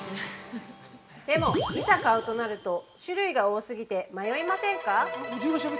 でも、いざ買うとなると種類が多過ぎて迷いませんか。